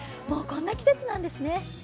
もう、こんな季節なんですね！